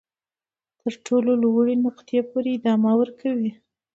تر تر ټولو لوړې نقطې پورې ادامه ورکوي.